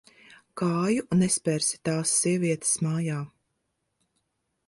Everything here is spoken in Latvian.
Kāju nespersi tās sievietes mājā.